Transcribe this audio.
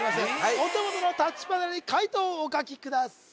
お手元のタッチパネルに解答をお書きください